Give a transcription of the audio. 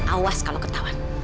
awas kalau ketahuan